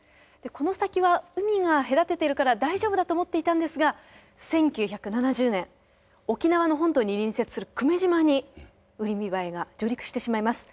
この先は海が隔ててるから大丈夫だと思っていたんですが１９７０年沖縄の本島に隣接する久米島にウリミバエが上陸してしまいます。